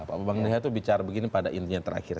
pak bambang deha itu bicara begini pada intinya terakhir